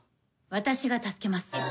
私が助けます。